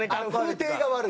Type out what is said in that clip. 風体が悪い。